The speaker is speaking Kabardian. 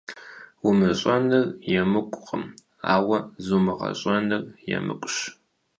Умыщӏэныр емыкӏукъым, ауэ зумыгъэщӏэныр емыкӏущ.